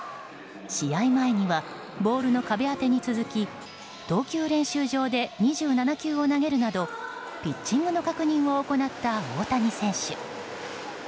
試合前にはボールの壁当てに続き投球練習場で２７球を投げるなどピッチングの確認を行った大谷選手。